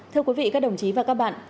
thưa quý vị các đồng chí và các bạn